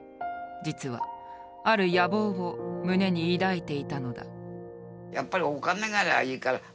実はある野望を胸に抱いていたのだ。